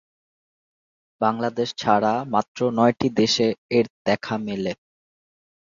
বাংলাদেশ ছাড়া মাত্র নয়টি দেশে এর দেখা মেলে।